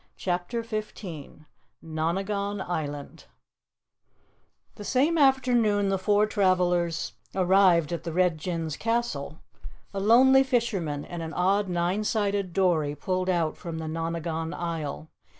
CHAPTER 15 Nonagon Island The same afternoon the four travelers arrived at the Red Jinn's castle, a lonely fisherman in an odd nine sided dory pulled out from the Nonagon Isle.